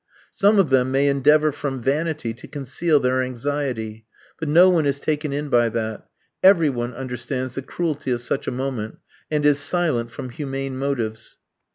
Some of them may endeavour from vanity to conceal their anxiety, but no one is taken in by that; every one understands the cruelty of such a moment, and is silent from humane motives.